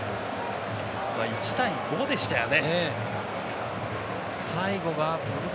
１対５でしたよね。